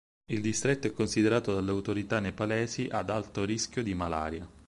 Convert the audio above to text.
Il distretto è considerato dalle autorità nepalesi ad alto rischio di malaria.